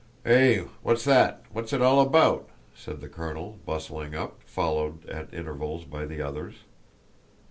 "Eh, what's that; what's it all about?" said the colonel, bustling up, followed at intervals by the others.